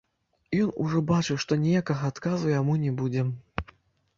Ён ужо бачыў, што ніякага адказу яму не будзе.